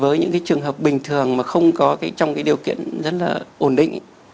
với những cái trường hợp bình thường mà không có trong cái điều kiện rất là ổn định